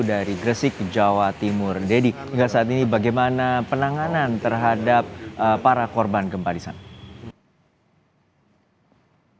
dari gresik jawa timur deddy hingga saat ini bagaimana penanganan terhadap para korban gempa di sana